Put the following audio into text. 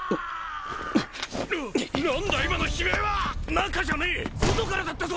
中じゃねえ外からだったぞ！